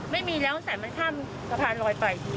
ไม่มีแล้วแต่มันข้ามสะพานลอยไป